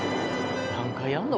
何回やんの？